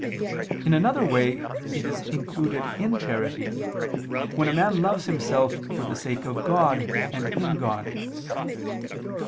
In another way it is included in charity, when a man loves himself for the sake of God and in God.